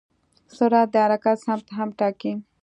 سرعت د حرکت سمت هم ټاکي.